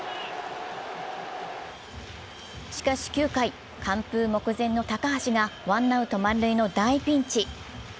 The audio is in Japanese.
しかし９回、完封目前の高橋がワンアウト満塁の大ピンチ。